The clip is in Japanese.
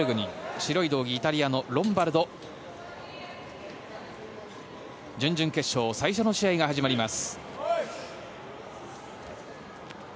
白い道着、イタリアのロンバルド準々決勝最初の試合が始まります。